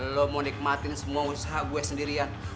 lo mau nikmatin semua usaha gue sendirian